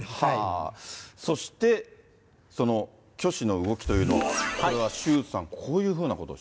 そして、その許氏の動きというのを、これは周さん、こういうふうなことです